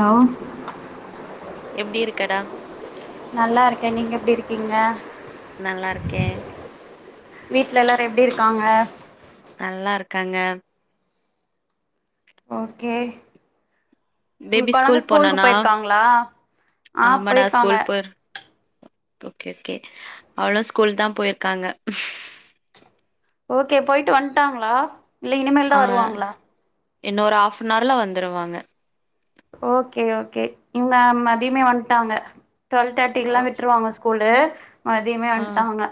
நா எப்டி இருக்கடா நல்லா இருக்கே நீங்க எப்டி இருக்கீங்க நல்லா இருக்கே வீட்ல எல்லாரு எப்டி இருக்காங்க நல்லா இருக்காங்க ஓகே உங்க பேபி ஸ்கூல் கொழந்த ஸ்கூலுக்கு போனானா போயிருக்காங்ளா ஆ ஆமாடா போயிருக்காங்க ஸ்கூல் போய் ஓகே ஓகே அவளு ஸ்கூல் தா போயிருக்காங்க ஓகே போயிட்டு வந்ட்டாங்ளா இல்ல இனிமேல் தா வருவாங்ளா இன்னு ஒரு ஹாப் அனார்ல வந்துருவாங்க ஓகே ஓகே இவ்ங்க மதியமே வந்ட்டாங்க டுவெல் தேர்ட்டிக்குலா ஓ, விட்ருவாங்க ஸ்கூ கூலு மதியமே ஆ வந்ட்டாங்க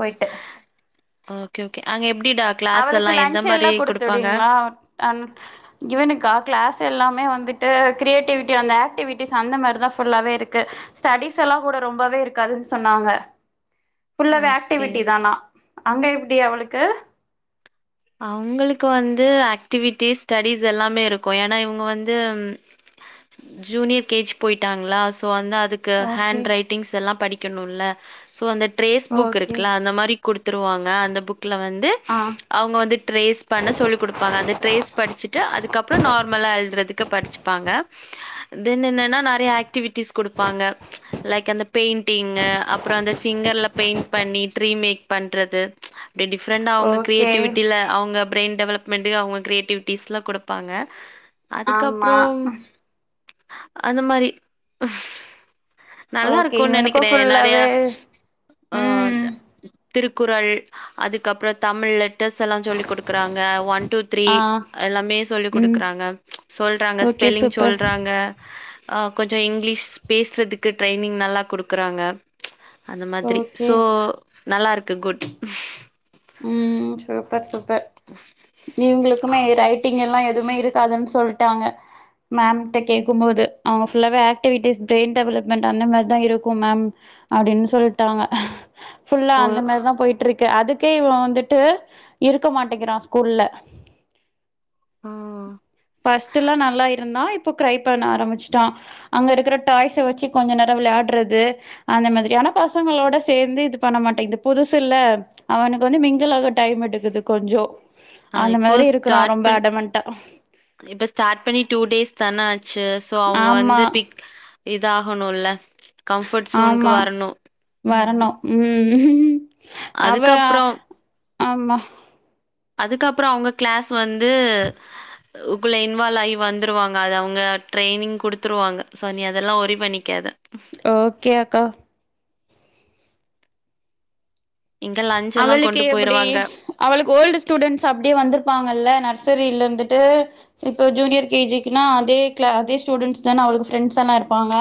போயிட்டு ஓகே ஓகே அங்க எப் அவளுக்கு லன்ச் எல்லா குடுத்து விடுவீங்ளா அன் இவனுக்கா கிளாஸ் எல்லாமே வந் ந்துட்டு கிரியேட்டிவிட்டி அந்த ஆக்டிவிட்டீஸ் அந்த மாரி தா ஃபுல்லாவே இருக்கு ஸ்டடீஸ் எல்லா கூட ரொம்பவே இருக்கு அதுன் சொன்னாங்க ஃபுல்லவே ஓகே ஆக்டிவிட்டி தானா அங்க எப்டி அவளுக்கு அவுங்களுக்கு வந்து ஆக்டிவிட்டீஸ் ஸ்டடீஸ் எல்லாமே இருக்கு ஏனா இவுங்க வந்து ஜூனியர் கேஜ் போயிட்டாங்ளா சோ அந்த அதுக்கு ஓகே ஹேண்ட் ரைட்டிங்ஸ் எல்லா படிக்கணுல்ல சோ அந்த ட்ரேஸ் புக் ஓகே இருக்குல அந்த மாரி குடுத்துருவாங்க அந்த புக்ல வந்து ஆ அவ்ங்க வந்து ட்ரேஸ் பண்ண சொல்லி் குடுப்பாங்க அந்த ட்ரேஸ் படிச்சுட்டு அதுக்கப்ற நார்மலா எழ்றதுக்கு படிச்சிப்பாங்க தென் என்னனா நெறைய ஆக்டிவிட் டீஸ் குடுப்பாங்க லைக் அந்த பெய்ண்டீங்கு அப்ற அந்த ஃபிங்கர்ல ஃபெய்ண்ட் பண்ணி ட்ரி மேக் க் பண்றது அப்டி டிஃப்ரெண்டா அவ்ங்க ஓகே கிரியேட்டிவிட்டில அவ்ங்க பிரெயின் டெவலப்மெண்டு அவ்ங்க கிரியேட்டிவிட்டீஸ்லா குடுப்பாங்க ஆமா அதுக்கப்றோ அந்த மாரி நல்லா ஓகே இருக்குன் இவனுக்கு நெனைக்கிறே நெறைய ஃபுல்லாவே ஆ ம் திருக்குறள் அதுக்கப்புற தமிழ் லெட்டர்ஸ் எல்லா சொல்லி குடுக்குறாங்க ஒன் டூ த்ரீ ஆ எல்லாமே சொல்லி ம் குடுக்குறாங்க சொல்றாங்க ஓகே ஸ்பெல்லிங் சூப்பர் சொல்றாங்க கொஞ்ச இங்கிலீஷ் பேசுறதுக் கு டிரைனிங் நல்லா குடுக்கறாங்க அந்த மாதிரி சோ ஓகே நல்லாருக்கு குட் ம் சூப்பர் சூப்பர் இவுங்களுக் குமே ரைட்டிங் எல்லா எதுமே இருக்காதுன் சொல்ட்டாங்க மேம்ட்ட கேக்கும்போது அவுங்க ஃபுல்லாவே ஆக்டிவிட்டீஸ் பிரெயின் டெவலப்மெண்ட் அந்த மார்தா இருக்கும் மேம் அப்டின்னு சொல்ட்டாங்க ஃபுல்லா ஓ அந்த மாரிதா போயிட்ருக்கு அதுக் கே இவ வந்துட்டு இருக்க மாட்டேங்கிறா ஸ்கூல்ல ஆ ஃபஸ்ட்ல்லா நல்லா இருந்தா இப் ப்ப கிரை பண்ண ஆரம்பிச்சிட்டா அங்க இருக்கிற டாய்ஸ வச்சி கொஞ்ச நேர விளையாடறது அந்த மாதிரி ஆனா பசங்களோட சேந்து இது பண்ண மாட்டேங்து புதுசுல்ல அவனுக்கு வந்து மிங்கிளாக டைம் எடுக்குது கொஞ்சோ ஆ அந்த இப்போ மாதிரி இருக்கிறா ஸ்டாட் ரொம்ப பண் அடமன்ட்டா இப்ப ஸ்டாட் பண்ணி டூ டேஸ்தான ஆச் சு சோ அவுங்க ஆமா வந்து பிக் இதாகணுல்ல கம்ஃபர்ட் சோனுக்கு ஆமா வரணு வரணு அவ அ அதுக்கப்புறோ ஆமா அதுக்கப்புற அவங்க கிளாஸ் வந்து குள்ள இன்வால் ஆயி வந்துருவாங்க அது அவுங்க ட்ரைனிங் குடுத்துருவாங்க சோ நீ அதெல்லா ஒரி பண்ணிக்காத ஓகே அக்கா இங்க லஞ்ச் எல்லாம் அவளுக்கு கொண்டு எப்பிடி போயிருவாங்க. அவளுக்கு ஓல்டு ஸ்டூடெண்ட்ஸ் அப்டியே வந்துருப்பாங்கல்ல நர்ஸ் சரில்ல இருந்துட்டு இப்போ ஜூனியர் கே ஜி க்குனா அதே கிளா அதே ஸ்டூடென்ட்ஸ் தான அவளுக்கு ஃப்ரெண்ட்ஸ் எல்லா இருப்பாங்க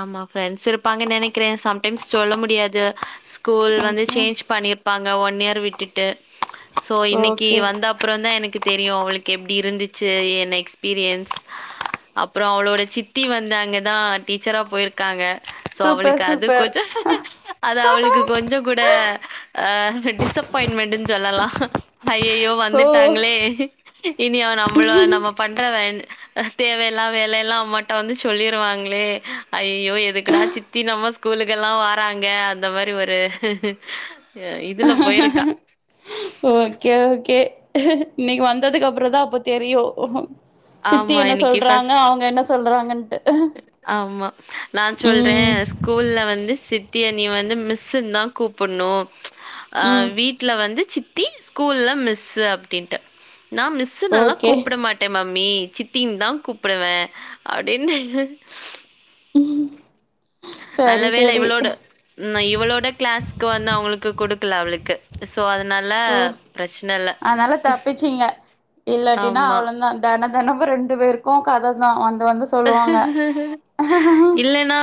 ஆமா ஃப்ரெண்ட்ஸ் இருப்பாங்கன் நெனைக்கிறே சம்டைம்ஸ் சொல்ல முடியாது ஸ்கூல் வந்து ஓகே சேஞ்ச் பண்ணிருப்பாங்க ஒன் இயர் விட்டுட்டு சோ இன்னைக்கி ஓகே வந்த அப்புறந்தா எனக்கு தெரியு அவளுக்கு எப்டி இருந்துச்சு என் எக்ஸ்பீரியன்ஸ் அப்புற அவளோட சித்தி வந்து அங்கதா டீச்சரா போயிருக்காங்க சோ சூப்பர் அவுளுக்கு அது சூப்பர் கொஞ்ச அது அவுளுக்கு கொஞ்ச கூட ஆ டிஸ்ஸப்பாயிண்மெண்டுன் சொல்லலா அய்யய்யோ ஓ வந்துட்டாங்ளே இனி அவ நம்மள நம்ம பண்ற வேண் தேவ இல்லா வேலைல்லா அம்மாட்ட வந்து சொல்லிருவாங்ளே ஐயயோ எதுக்குடா சித்தி நம்ம ஸ்கூலுக்கலா வாராங்க அந்த மாரி ஒரு அ இதுல போயிருக்கா. ஓகே ஓகே இன்னக்கி வந்ததுக்கப்பறதா அப்ப தெரியு சித்தி ஆமா. என்ன இன்னைக்கு சொல்றாங்க ஃபர்ஸ்ட் அவங்க என்ன சொல்றாங்கன்ட்டு ஆமா நா சொல்றே ம் ஸ்கூல்ல வந்து சித்திய நீ வந்து மிஸ்ன்தா கூப்பன்னு அ ம் வீட்ல வந்து சித்தி ஸ்கூல்ல மிஸ்ஸு அப்டின்ட்டு நா மிஸ்ஸுனல்லா ஓகே கூப்பட மாட்டே மம் மி சித்தின்தா கூப்புடுவே அப்டின்னு ம் நல்ல வேல இவளோட ந இவளோட கிளாஸ்க்கு வந்து அவுங்ளுக்கு குடுக் கல அவுளுக்கு ஓ அதனால தப்பிச்சீங்க இல்லாட்டினா ஆமா. அவ்ளோ தா தென தெனமு ரெண்டு பேருக்கு கததா வந்து வந்து சொல்லுவாங்க இல்லன்னா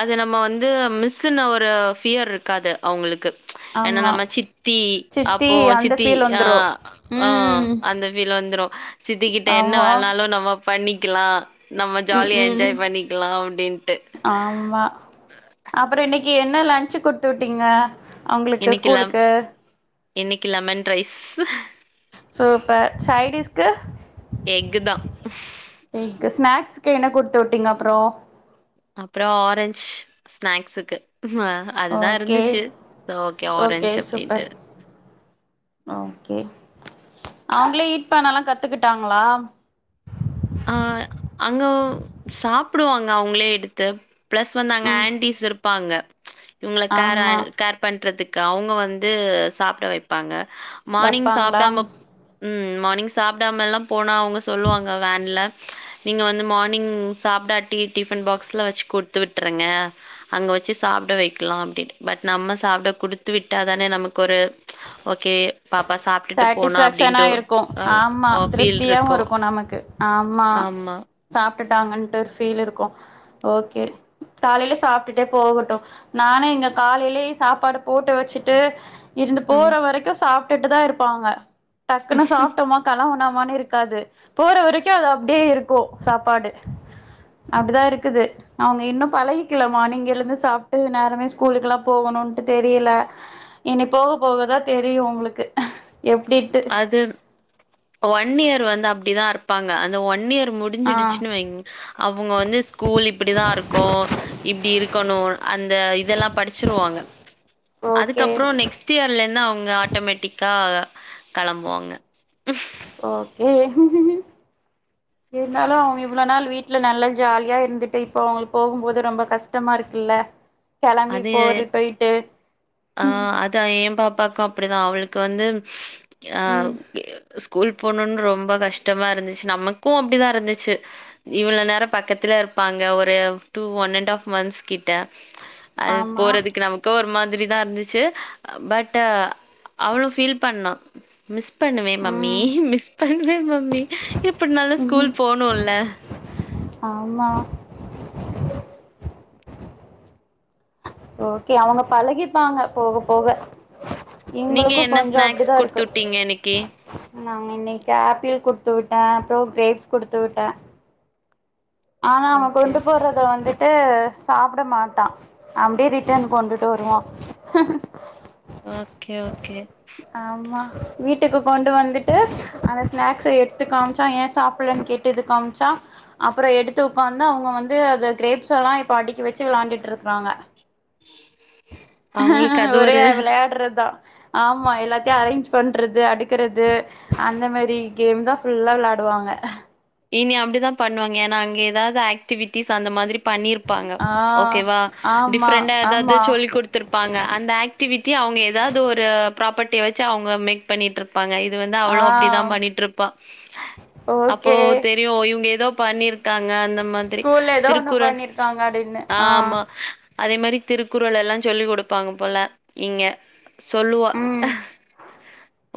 அது நம்ம வந்து மிஸ்ஸுனு ஒரு ஃபியர் இருக்காது அவுங்ளுக்கு ஏனா ஆமா நம்ம சித்தி சித்தி அப்போ அந்த சித்தி ஃபீல் அ வந்துரு அ ம் அந்த ஃபீல் வந் துரு சித்திகிட்ட என்ன ஆமா வேலனாலு நம்ம பண்ணிக்கலா நம்ம ம் ஜாலியா ம் என்ஜாய் பண்ணிக்கலா அப்டின்ட்டு ஆமா அப்புறோ இன்னைக்கு என்ன லஞ்ச் குடுத்து விட்டீங்க அவங்களுக்கு ஸ்கூலுக்கு இன்னக்கி லெமன் ரைஸ் சூப்பர் சைடிஸ்க்கு எக்குதா மிஸ்க்கு என்ன குடுத்து வுட்டீங்க அப்பறோ அப்பறோ ஆரஞ்ச் ஸ்நாக்ஸுக்கு அதுதா ஓகே இருந்துச்சு ஓகே ஆரஞ்சு அப்டின்ட்டு ஒகே அவங்களே ஈட் பண்ணல்லா கத்துக்கிட்டாங்களா அ அங்க சாப்புடுவாங்க அவங்களே எடுத்து பிளஸ் வந்து அங்க ம் ஆன்டிஸ் இருப்பாங்க இவங்க கேர் ஆமா கேர் பண்றதுக் அவங்க வந்து சாப்ட வைப்பாங்க மார்னிங் வப்பாங்களா சாப்டாம ம் மார் னிங் சாப்டாமல்லா போனா அவங்க சொல்லுவாங்க வேன் ல நீங்க வந்து மார்னிங் சாப்டாட்டி டிஃபன் பாக்ஸ்ல வச்சு குடுத்து விட்டுருங்க அங்க வச்சு சாப்பிட வக்கலா அப்டின்டு பட் நம்ம சாப்ட குடுத்து விட்டாதானே நமக்கு ஒரு ஓகே பாப்பா சாப்ட்டுட்டு சாட்டிஸ் போனா ஃபேக்ஷனா அப்டின்ட்டு இருக்கு ஆம்மா அ ஃபீல் திருப்தியாவு இருக்கும். இருக்கு நமக்கு அ ம்மா ஆமா. சாப்ட்டுட்டாங்கட்டு ஒரு ஃபீல் இருக்கு ஓகே காலைலே சாப்ட்டுட்டே போகட்டு நானு இங்க காலைலே சாப்பாடு போட்டு வச்சுட்டு இருந்து ம். போற வரைக்கு சாப்ட்டுட்டுதா இருப்பாங்க டக்குன்னு சாப்ட்டோமா கலாம்புனோ மானுருக்காது போற வரைக்கு அது அப்டியே இருக்கு சாப்பாடு அப்டிதா இருக்குது அவங்க இன்னு பழகிக்கல மார்னிங் எழுந்து சாப்ட்டு நேரமே ஸ்கூலுக்கலா போவனு இப்ப தெரியல இனி போக போகதா தெரியு அவுங்களுக்கு எப்டிட்டு ஒன் இயர் வந்து அப்டிதா இருப்பாங்க அந்த ஒன் இயர் ஆ முடிஞ்சிடுச்சுன்னு வைங் அவங்க வந்து ஸ்கூல் இப்புடி தா இருக்கு இப்டி இருக்கணு அந் த இதெல்லா படிச்சிருவாங்க ஓகே அதுக்கப்பறோ நெக்ஸ்ட் இயர்லருந்து அவங்க ஆட்டோமேட்டிக் கா களம்புவாங்க ஓகே இருந்தாலு அவங்க இவ்ளோ நாள் வீ வீட்ல நல்லா ஜாலியா இருந்துட்டு இப்ப அவங்களு போகும்போது ரொம்ப கஷ்டமா இருக்குல களம்பி அது போற போய்ட்டு ம் ப்பாக்கு அப்டிதா அவளுக்கு வந்து அ ம் ஸ்கூல் போணுனு ரொம்ப கஷ்டமா இருந்துச்சு நமக்கு அப்டிதா இருந்துச்சு இவ்ளோ நேரோ பக்கத்துல ப்பாங்க ஒரு டூ ஒன்னண் ஆப் மந்த்ஸ் கிட்ட அது ஆமா போறதுக்கு நமக்கு ஒரு மா திரிதா இருந்துச்சு பட் அவ்ளோ பீல் பண்ணம் மிஸ் பண்ணுவே மம்மி ம் மிஸ் பண்ணுவே மம்மி எப்பனால ஸ்கூல் போனுல்ல ஆமா ஓகே அவங்க பழகிப்பாங்க போக போக நீங்க எங்களுக்கு என்ன கொஞ்ச ஸ்நாக்ஸ் அப்டிதா குடுத்து இருக்கு விட்டீங்க இன்னைக்கு? நாங்க இன்னைக்கு ஆப்பிள் கு டுத்து விட்டே அப்புற கேப்ஸ் குடுத்து விட்டே ஆனா நம்ம ஓகே. கொண்டு போறத வந்து ட்டு சாப்பிட மாட்டா அப்படியே ரிட்டன் கொண்டுட்டு வருவா ஓகே, ஓகே. ஆமா வீட்டுக்கு கொண்டு வந்துட்டு அந்த ஸ்நாக்ஸ் எடுத்து காமிச்சா ஏ சாப்பலன்னு கேட்டுது காமிச்சா அப்புற எடுத்து உக்க்காந்து அவங்க வந்து அந்த கிரேப்ஸ் எல்லா இப்ப அடிக்க வ ச்சு விளாண்ட்டுட்ருக்கறாங்க அவங்களுக்கு அது ஒரே ஒரு விளையாடுறதா ஆமா எல்லாத்தையு அரேஞ்ச் பண்ணுறது அடுக்கிறது அந்தமாரி கேம் தா ஃபுல்லா விளையாடுவாங்க ஆ இனி அப்படிதா பண்ணுவாங்க ஏன்னா அங்க ஏதாவது ஆக்டிவிட்டிஸ் அந்த மாதிரி பண்ணிருப்பாங்க ஆ ஓகேவா ஆமா டிஃப்ரெண்டண்டா ஏதாவது ஆமா சொல்லி குடுத்திருப்பாங்க அந்த ஆக்டிவிட்டி அவ அவங்க ஏதாவது ஒரு ப்ராப்பர்ட்டியை வச்சு அவங்க மேக் பண்ணிட்டு இருப் ப்பாங்க இது வந்து ஆ அவளும் அப்படிதான் பண்ணிட்டு இருப்பா அப்போ ஓகே தெரியும் இவங்க ஏதோ பண்ணிருக்காங்க அந்த மாதிரி ஸ்கூல்ல ஏதோ ஒண்ணு திருக்குறள் பண்ணிருக்காங்க அப்டின்னு ஆ ஆமா அதே மாதிரி திருக்குறள் எல்லாம் சொல்லிக் கொடுப்பாங்க போல இங்க சொல்லுவா ம்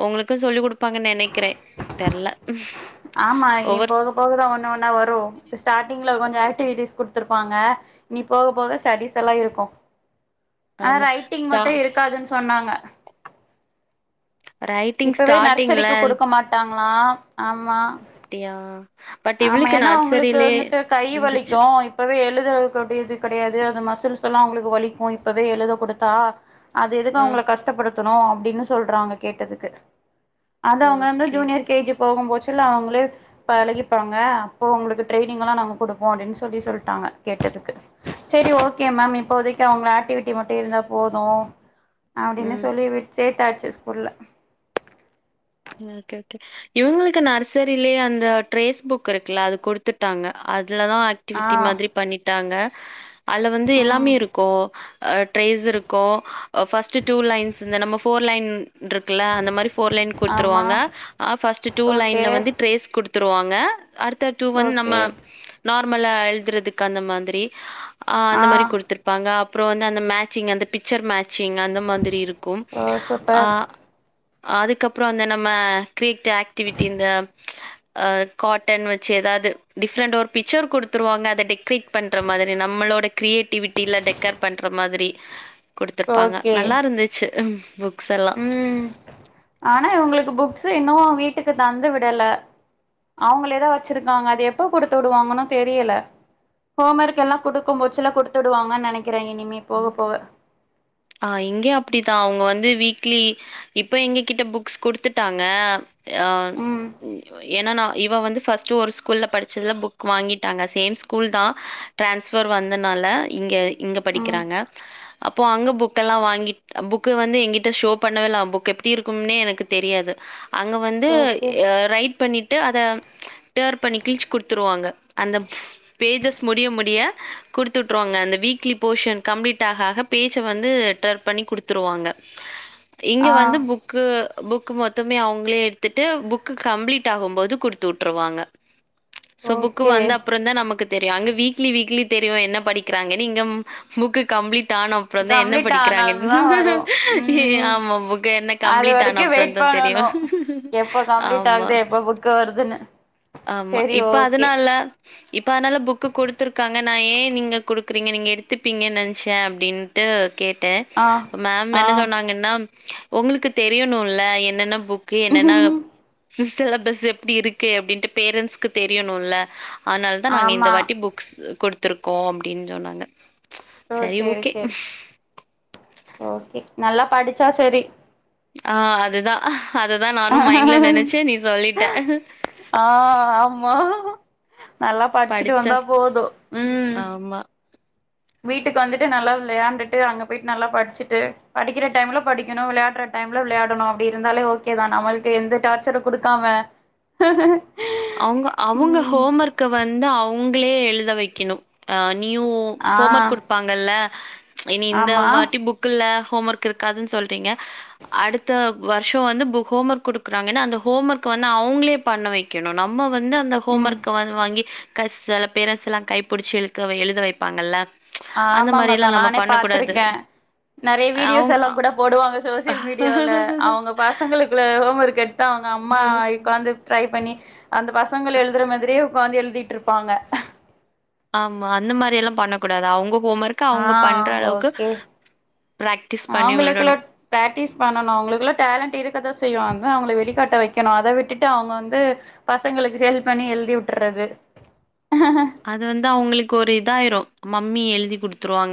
உங்களுக்கும் சொல்லி கொடுப்பாங்கன்னு நினைக்கிறேன தெர்ல ஆமா இனி ஒவ்வொரு போக போகதான் ஒண்ணு ஒன்னா வரும் இப்போஸ்டார்டிங்க்ல கொஞ்சம் ஆக்டிவிட்டிஸ் கொடுத்துருப்பாங்க இனி போக போக ஸ்டடிஸ் எல்லாம் இருக்கும் ஆ ஆமா ரைட்டிங் ஸ்டா மட்டும் இருக்காதுன்னு சொன்னாங்க ரைட்டிங் இப்பவே ஸ்டார்ட்டிங்ல நர்சரிக்கு கொடுக்க மாட்டாங்களா ஆமா ப்டியா ஆமா ஏன்னா உங்களுக்கு வந்துட்டு கை இருந்துச்சு வலிக்கும் இப்பவே எழுதக்கடிய இது கிடையாது அது மச ல்லாம் அவங்களுக்கு வலிக்கும் இப்பவே எழுத கொடுத்தா அது எதுக்கு ஆ அவங்களை கஷ்டப்படுத்த ும் அப்படின்னு சொல்றாங்க கேட்டதுக்கு அது அவங்க வந்து ஓகே ஜூனியர் கேஜி போகும் போச்சுல்ல அவங்களே பழகி ப்பாங்க அப்போ உங்களுக்கு ட்ெயனிங் எல்லாம் நாங்க கொடுப்போம் அப்படின்னு சொல்லி சொல்லிட்டாங்க கேட்டதுக்கு சரி ஓகே மேம் இப்போதைக்கு அவங்க ஆக்டிவிட்டி மட்டும் இருந்தா போதும் அப்படின்னு ம் சொல்லி விச்சேட்டாச்சு ஸ்கூல்ல ஓகே ஓகே இவங்களுக்கு நர்சரிலயே அந்த ட்ரேடஸ் புக் இருக்குல்ல அது குடுத்துட்டாங்க அதல தான் ஆ ஆக்டிவிட்டி மாதிரி பண்ணிட்டாங்க அதுல வந்து எல்லாமே ம் இருக்கும் ட்ரேஸ் இருக்கும் ஃபர்ஸ்ட் டூ லைன்ஸ் நம போர் லைன் இருக்குல அந்த மாதிரி போர் லைன் ஆமா வாங்க பஸ்ட் டூ ஓகே லைன்ல வந்து ட்ரேஸ் கொடுத்துருவாங்க அடுத்த டூ வந்து நம்ம ஓகே நார்மலா எழுதுறதுக்கு அந்த மாதிரி அ ஆ அந்த மாதிரி கொடுத்திருப்பாங்க அப்புறம் அந்த மேச்சிங் அந்த பிக்சர் மேட்ச ங்அந்த மாதிரி இருக்கும் ஓ சூப்பர் அதுக்கப்புறம் வந்து நம்ம கிரிட் ஆக்டிவிிட்டி இந்த ஆ காட்டன் வச்சு ஏதாவது டிஃப்ரெண்ட் ஒரு பிக்சர் கொடுத்துருவாங்க அதை டெக்ரேட் பண்ற மாதிரி நம்ம லோட கிரியேட்டிவிட்டில டெக்கர் பண்ற மாதிரி குடுத்துருப்பாங்க ஓகே நல்லா இருந்துச்சு புக்ஸ் எல்லா ம் ஆனா இவங்களுக்கு புக்ஸ் இன்னும் வீட்டுக்கு தந்து விடல அவங்கலே தா வச்சிருக்காங்க அது எப்ப குடுத்து விடுவாங்கன்னு தெரியல ஹோம் ஒர்க் எல்லாம்டுக்கும் போச்சலல்ல கொடுத்துடுவாங்கு நினைன் ஆ இங்கே அப்படித்தான் அவங்க வந்து வீக் க்ளீ இப்ப எங்க கிட்ட புக்ஸ் குடுத்துட்டாங்க ஆ ம் எனா இவ வந்து ஃபஸ்ட்டு ஒரு ஸ்கூல்ல படிச்சதுல புக் வாங்கிட்டாங்க சேம் ஸ்கூல் தா டிரான்ஸ்ஃபர் வந்தனால இங்க இங்க ம் படிக்கிறாங்க அப் அப்போ அங்க புக்கெல்லா வாங்கிட் புக்கு வந்து எங்கிட்ட ஷோ பண்ணவேல்ல புக் எப்டி இருக்கும்னே எனக்கு தெரியாது அங்க வந்து ஓகே எ ரைட் பண்ணிட்டு அத டேர் பண்ணி கிழ்ச் குடுத்துருவாங்க அந்த பேஜஸ் முடிய முடிய குடுத்து உட்டுவாங்க அந்த வீக்லி போஷன் கம்ப்ளீட் ஆக ஆக பேசஜ்ஜ வந்து டேர் பண்ணி குடுத்துருவாங்க இங்க ஆ வந்து புக்கு புக்கு மொத்தமே அவுங்ளே எடுத்துட்டு புக்கு கம்ப்ளீட் ஆகும்போது குடுத்து உட்டுருவாங்க சோ புக்கு ஓகே வந்து அப்புறந்தா நமக்கு தெரியு அங்க வீக்லி வீக்லி தெரியு என்ன படிக்கிறாங்கன் இங்கம் புக்கு கம்ப்ளிட் ஆன அப்றம்ந்தா என்ன கம்ப்ளீட் படிக்கிறாங்ன் ஆனாதா வரு ஏ ம் ஆமா புக் என்ன அது கம்ப்ளிட் ஆன வரைக்கு வெயிட் அப்றந்தான் தெரியு பண்ணணு எப்ப கம்ப்ளீட் ஆமா ஆகுது எப்ப புக்கு வருதுன்னு ஆமா செரி இப்ப ஓகே அதனால இப்ப அத்னால புக்கு குடுத்துருக்காங்க நா ஏ நீங்க குடுக்குறிங்க நீங்க எடுத் த்துப்பீங்கன் நென்ச்சேன் அப்டின்ட்டு கேட்டே ஆ ப மேம் ஆ என்ன சொன்னாங்கன்னா உங்ளுக்கு தெரியணூல என்னென்ன புக்கு என்னென்ன சிலபஸ் எப்டி இருக்கு அப்டின்ட்டு பேரண்ட்ஸ்க்கு தெரியணுல்ல அதனாலதா நாங்க இந்த ஆமா வாட்டி புக்ஸ் குடுத்துருக்கோ அப்டின் சொன்னாங்க ஓ சரி சேரி ஓகே சேரி ஓகே நல்லா படிச்சா சரி ஆ அதுதா அதுதா நானு மைண்ட்ல நெனச்சே நீ சொல்லிட்ட ஆ ஆம்மா நல்லா படிச்சிட்டு படிச்சா வந்தா போது ம் ஆமா வீட்டுக்கு வந்துட்டு நல்லா விளையாண்டுட்டு அங்க போயிட் நல்லா படிச்சிட்டு படிக்கிற டைம்ல படிக்கணு விளையாடற டைம் ல விளையாடணு அப்டி இருந்தாலே ஓகே தா நம்மளுக் எந்த டார்ச்சரு குடுக்காம அவுங்க அவுங்க ம் ஹோம் ஒர்க்க வந்து அவுங்ளே எழுத வெக்கணு அ நியூ ஆ ஹோம் ஒர்க் குடுப்பாங்கல்ல இனி இந்த ஆமா வாட்டி புக்கில்ல ஹோம் ஒர்க் இருக்காதுன் சொல்றிங்க அடுத்த வர்ஷோ வந்து பு ஹோம் ஒர்க் குடுக்குறாங்கன அந்த ஹோம் ஒர்க் வந் வந்து அவுங்ளே பண்ண வெக்கணு நம்ம வந்து அந்த ஹோம் ம் ஒர்க்க வ வாங்கி கஸ் செல பேரன்ட்ஸ் எல்லா கைப்புடிச்சி எழுக்க எழுத வைப்பாங்கல்ல அந்த ஆமாங்கக்கா மாரியெல்லாம் நம்ம நானே பண்ணக்கூடாது. பாத்துருக்க நறைய வீடியோஸ் அவங்க எல்லா கூட போடுவாங்க சோஷியல் மீடியாவுல அவுங்க பசங்களுக்குள்ள ஹோம் ஒர்க் எடுத் து அவுங்க அம்மா உக்காந்து ட்ரை பண்ணி அந்த பசங்கள எழுதுற மாதிரியே உக்காந்து எழுதிட்ருப்பாங்க ஆமா அந்த மாறி எல்லா பண்ண கூடாது அவுங்கொ ஆ ஓகே பிராக்டிஸ் பண்ணி அவுங்ளுக்ல விடணும். ப்ராக்டிஸ் பண்ணணு அவுங்ளுக்லா டேலண்ட் இருக்கதா செய்யு அதா அவுங்ள வெளி ளிகாட்ட வெக்கணு அத விட்டுட்டு அவுங்க வந்து பசங்களுக்கு ஹெல்ப் பண்ணி எழுதி உட்ர்றது அது வந்து அவுங்ளுக்கு ஒரு இதாயிரு மம்மி எழுதி குடுத்துருவாங்க